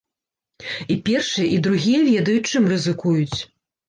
І першыя, і другія ведаюць, чым рызыкуюць.